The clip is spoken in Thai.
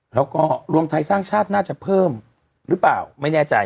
แล้วก็รวมไทยสร้างชาติน่าจะเพิ่มหรือเปล่าไม่แน่ใจ